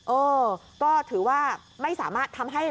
เออก็ถือว่าไม่สามารถทำให้